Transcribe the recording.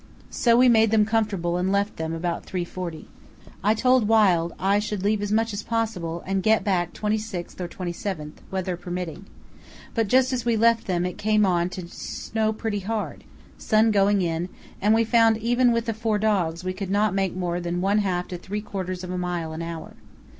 So we made them comfortable and left them about 3.40. I told Wild I should leave as much as possible and get back 26th or 27th, weather permitting, but just as we left them it came on to snow pretty hard, sun going in, and we found even with the four dogs we could not make more than one half to three quarters of a mile an hour.